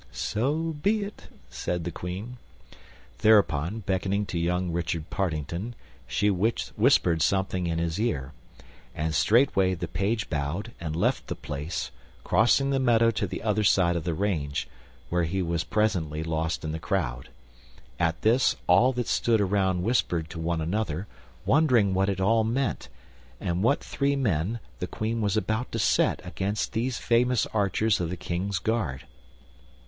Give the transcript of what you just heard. "So be it," said the Queen. Thereupon, beckoning to young Richard Partington, she whispered something in his ear, and straightway the Page bowed and left the place, crossing the meadow to the other side of the range, where he was presently lost in the crowd. At this, all that stood around whispered to one another, wondering what it all meant, and what three men the Queen was about to set against those famous archers of the King's guard.